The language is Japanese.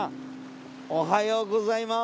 おはようございます。